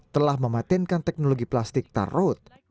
telah mematenkan teknologi plastik tarot